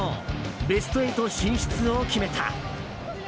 ベスト８進出を決めた。